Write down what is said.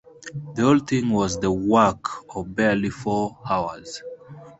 The whole thing was the work of barely four hours.